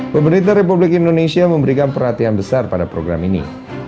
pemerintah republik indonesia memberikan perhatian besar pada program ini